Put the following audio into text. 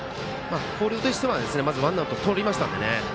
広陵としては、ワンアウトをまずとりましたのでね。